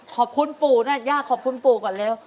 ขอบคุณปู่นะย่าขอบคุณปู่ก่อนเร็ว